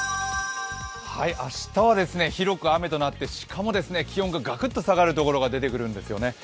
明日は、広く雨となってしかも気温ががくっと下がるところが出てくるんですよね。